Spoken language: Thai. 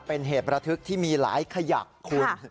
เป็นเหตุระทึกที่มีหลายขยักคุณ